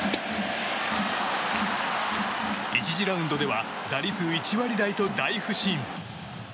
１次ラウンドでは打率１割台と大不振。